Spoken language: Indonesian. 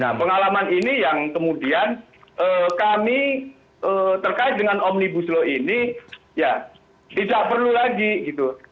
nah pengalaman ini yang kemudian kami terkait dengan omnibus law ini ya tidak perlu lagi gitu